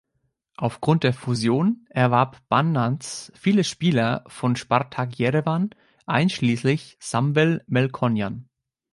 Aufgrund der Fusion erwarb Banants viele Spieler von Spartak Yerevan, einschließlich Samvel Melkonyan.